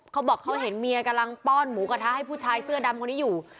เขาบอกเขาเห็นเมียกำลังป้อนหมูกระทะให้ผู้ชายเสื้อดำคนนี้อยู่